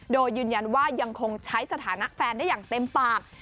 โดยยืนยันว่ายังคงใช้สถานะแฟนได้อย่างเต็มปาก